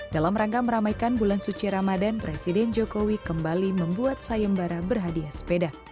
dalam rangka meramaikan bulan suci ramadan presiden jokowi kembali membuat sayembara berhadiah sepeda